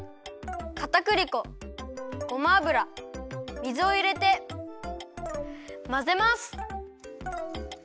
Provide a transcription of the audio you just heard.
かたくり粉ごま油水をいれてまぜます。